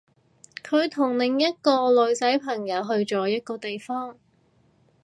佢同另一個女仔朋友去咗一個地方